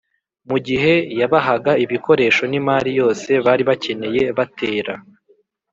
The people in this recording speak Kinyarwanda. mu gihe yabahaga ibikoresho n'imari yose bari bakeneye batera,